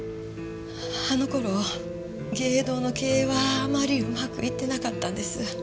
あの頃藝榮堂の経営はあまりうまくいってなかったんです。